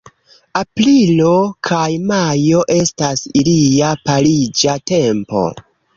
Aprilo kaj majo estas ilia pariĝa tempo.